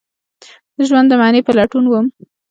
د ژوند د معنی په لټون وم